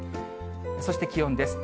そして気温です。